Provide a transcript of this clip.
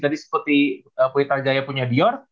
tadi seperti pulitan jaya punya dior